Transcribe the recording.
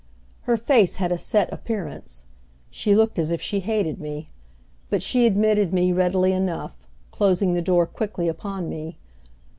Her face had a set appearance. She looked as if she hated me, but she admitted me readily enough, closing the door quickly upon me.